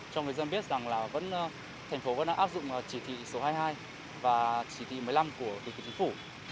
cho người dân biết rằng là vẫn thành phố vẫn đã áp dụng chỉ thị số hai mươi hai và chỉ thị một mươi năm của thủ tướng chính phủ